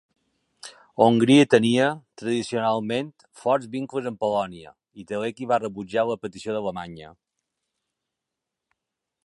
Hongria tenia, tradicionalment, forts vincles amb Polònia, i Teleki va rebutjar la petició d'Alemanya.